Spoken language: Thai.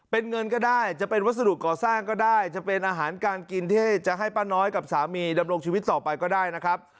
เป็นเงินก็ได้จะเป็นวัสดุก่อสร้างก็ได้จะเป็นอาหารการกินที่จะให้ป้าน้อยกับสามีดำรงชีวิตต่อไปก็ได้นะครับ